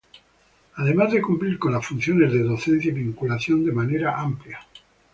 Además de cumplir con las funciones de docencia y vinculación de manera amplia.